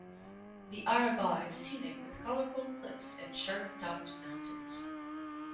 The Arabah is scenic with colorful cliffs and sharp-topped mountains.